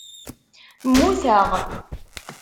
Mmuteɣ.